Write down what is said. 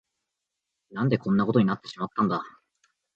何でこんなことになってしまったんだ。